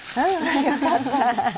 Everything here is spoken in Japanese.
よかった！